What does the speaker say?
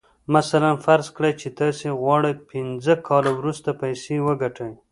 مثلاً فرض کړئ چې تاسې غواړئ پينځه کاله وروسته پيسې وګټئ.